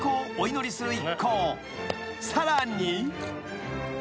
［さらに］